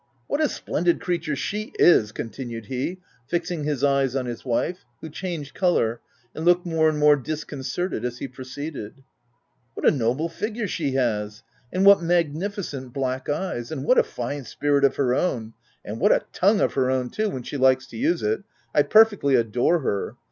" What a splendid creature she is /? continued he, fixing his eyes on his wife, who changed colour, and looked more and more disconcerted as he proceeded. What a noble figure she has ! and what magnificent black eyes ; and what a fine spirit of her own ;— and what a tongue of her own, too, when she likes to use it — I perfectly adore her